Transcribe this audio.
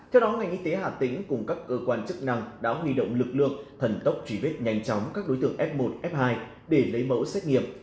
theo đó ngành y tế hà tĩnh cùng các cơ quan chức năng đã huy động lực lượng thần tốc truy vết nhanh chóng các đối tượng f một f hai để lấy mẫu xét nghiệm